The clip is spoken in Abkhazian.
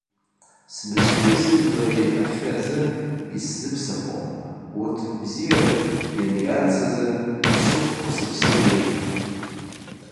Сбызшәеи сыжәлари ахьы азы исзыԥсахуам, урҭ бзиарак ианиарц азы сшықәԥо сыԥсыр еиӷьуп.